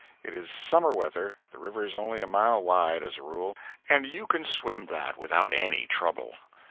It is summer weather, the river is only a mile wide, as a rule, and you can swim that without any trouble."